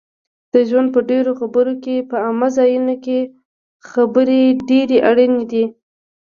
د ژوند په ډېرو برخو کې په عامه ځایونو کې خبرې ډېرې اړینې دي